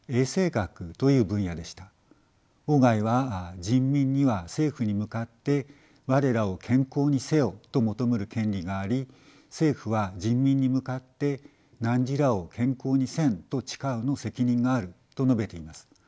外は人民には政府に向かって我らを健康にせよと求むる権利があり政府は人民に向かって汝らを健康にせんと誓うの責任があると述べています。